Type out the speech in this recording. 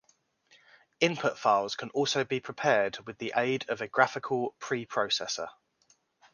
Input files can also be prepared with the aid of a graphical preprocessor.